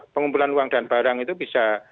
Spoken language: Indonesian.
pengumpulan uang dan barang itu bisa